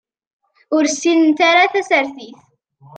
Ur ssinent ara tasertit.